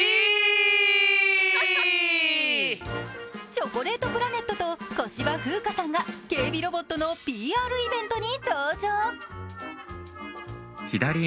チョコレートプラネットと小芝風花さんが警備ロボットのＰＲイベントに登場。